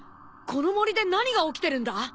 この森で何が起きてるんだ？